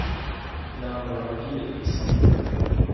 Il a un vol rapide et puissant.